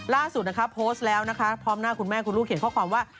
ล่าสุดนะคะโพสต์แล้วนะคะพร้อมหน้าคุณแม่คุณลูกเขียนข้อความว่า